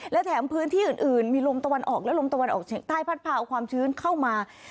และแถมพื้นที่อื่นมีลมตะวันออกและลมตะวันออกเฉียงใต้พัดพาเอาความชื้นเข้ามา